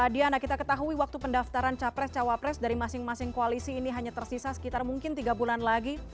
diana kita ketahui waktu pendaftaran capres cawapres dari masing masing koalisi ini hanya tersisa sekitar mungkin tiga bulan lagi